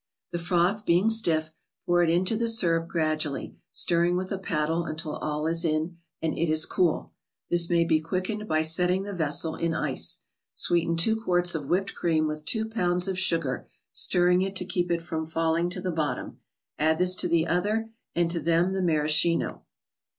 The froth being stiff, pour it into the syrup gradually, stirring with a paddle until all is in, and it is cool. This may be quickened by setting the vessel in ice. Sweeten two quarts of whipped cream with two pounds of sugar, stirring it to keep it from falling to the bottom. Add this to the other, and to them the Maraschino.